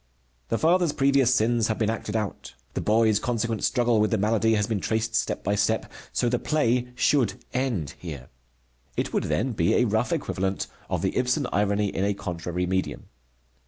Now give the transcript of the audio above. The father's previous sins have been acted out. The boy's consequent struggle with the malady has been traced step by step, so the play should end here. It would then be a rough equivalent of the Ibsen irony in a contrary medium.